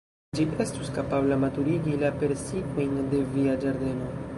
Ĝi estus kapabla maturigi la persikojn de via ĝardeno.